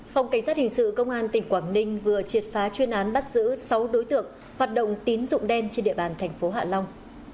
phòng cảnh sát hình sự công an tỉnh quảng ninh vừa triệt phá chuyên án bắt giữ sáu đối tượng hoạt động tín dụng đen trên địa bàn thành phố hạ long